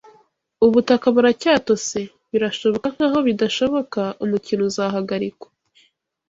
Ubutaka buracyatose. Birashoboka nkaho bidashoboka, umukino uzahagarikwa